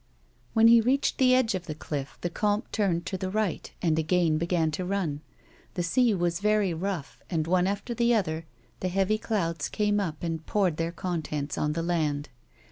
When he reached the edge of the cliff, the comte turned to the right, and again began to run. The sea was very rough, and one after the other the heavy clouds came up and poured their contents on the land.